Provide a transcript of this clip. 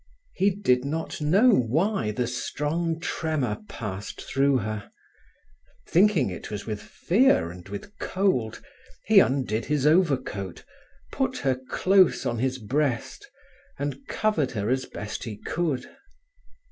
He did not know why the strong tremor passed through her. Thinking it was with fear and with cold, he undid his overcoat, put her close on his breast, and covered her as best he could.